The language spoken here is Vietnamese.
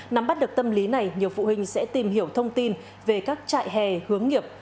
nắm bắt được tâm lý này nhiều phụ huynh sẽ tìm hiểu thông tin về các trại hè hướng nghiệp